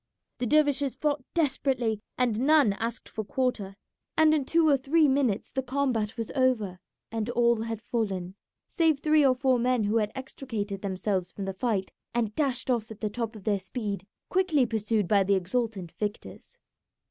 The dervishes fought desperately, and none asked for quarter, and in two or three minutes the combat was over and all had fallen, save three or four men who had extricated themselves from the fight and dashed off at the top of their speed, quickly pursued by the exultant victors.